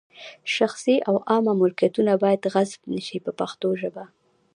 شخصي او عامه ملکیتونه باید غصب نه شي په پښتو ژبه.